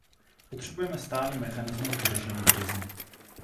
Potřebujeme stálý mechanismus k řešení krizí.